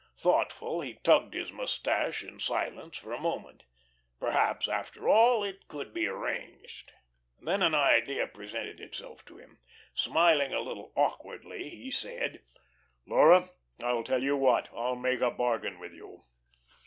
Thoughtful, he tugged his mustache in silence for a moment. Perhaps, after all, it could be arranged. Then an idea presented itself to him. Smiling a little awkwardly, he said: "Laura, I tell you what. I'll make a bargain with you."